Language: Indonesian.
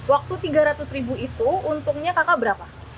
waktu rp tiga ratus itu untungnya kakak berapa